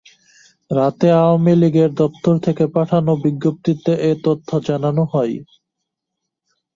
রাতে আওয়ামী লীগের দপ্তর থেকে পাঠানো বিজ্ঞপ্তিতে এ তথ্য জানানো হয়।